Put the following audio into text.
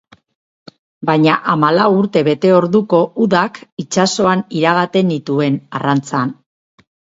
Baina hamalau urte bete orduko, udak itsasoan iragaten nituen, arrantzan.